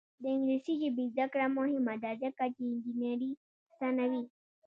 د انګلیسي ژبې زده کړه مهمه ده ځکه چې انجینري اسانوي.